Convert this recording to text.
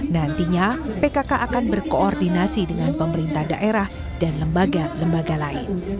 nantinya pkk akan berkoordinasi dengan pemerintah daerah dan lembaga lembaga lain